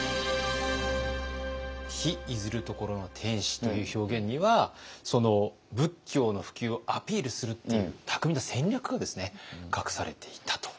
「日出ずる処の天子」という表現には仏教の普及をアピールするっていう巧みな戦略が隠されていたと。